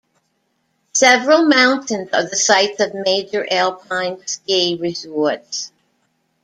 Several mountains are the sites of major alpine ski resorts.